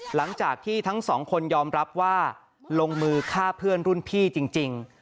หลังจากที่ทั้งสองคนยอมรับว่าลงมือฆ่าเพื่อนรุ่นพี่จริง